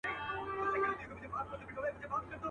ما ویل زه به ستا د شپې په زړه کي.